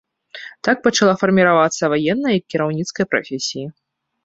Так пачалі фарміравацца ваенныя і кіраўніцкія прафесіі.